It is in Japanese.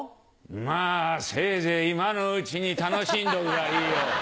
まぁせいぜい今のうちに楽しんでおきゃいいよ。